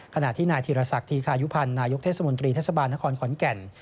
ขณะที่นายธีรศักดิคายุพันธ์นายกเทศมนตรีเทศบาลนครขอนแก่น